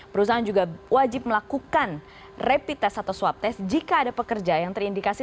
perusahaan juga wajib melakukan rapid test atau swab test jika ada pekerja yang terindikasi